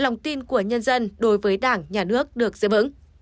lòng tin của nhân dân đối với đảng nhà nước được giữ vững